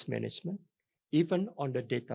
bahkan juga pengurusan data